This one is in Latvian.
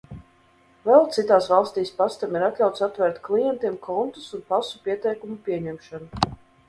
Vēl citās valstīs pastam ir atļauts atvērt klientiem kontus un pasu pieteikumu pieņemšana.